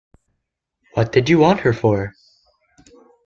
What did you want her for?